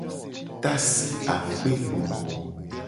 Tasi akpe looo.